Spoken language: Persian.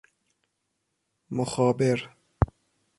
مخابر